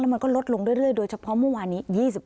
มันก็ลดลงเรื่อยโดยเฉพาะเมื่อวานนี้